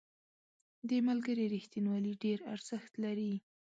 • د ملګري رښتینولي ډېر ارزښت لري.